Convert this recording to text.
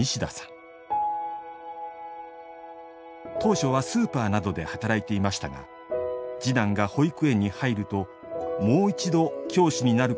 当初はスーパーなどで働いていましたが次男が保育園に入るともう一度教師になることを考えます。